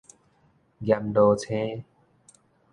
閻羅星